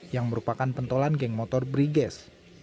yang merupakan pentolan geng motor briges